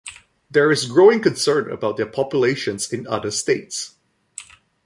There is growing concern about their populations in other states.